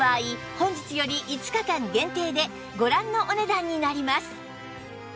本日より５日間限定でご覧のお値段になります